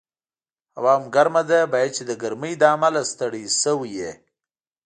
هوا هم ګرمه ده، باید چې د ګرمۍ له امله ستړی شوي یې.